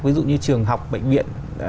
ví dụ như trường học bệnh viện